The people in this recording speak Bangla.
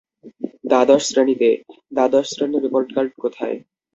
দ্বাদশ শ্রেণিতে, - দ্বাদশ শ্রেণির রিপোর্ট কার্ড কোথায়?